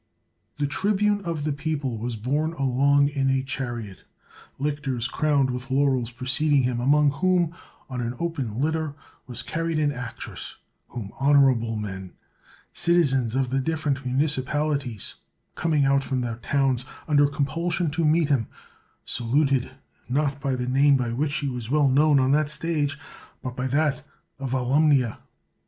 The tribune of the people was borne along in a chariot, lictors crowned with laurels preceded him, among whom, on an open litter, was carried an actress ; whom honerable men, citizens of the different municipalities, coming out from their towns under compulsion to meet him, saluted not by the name by which she was well known on the stage, but by that of Volumnia.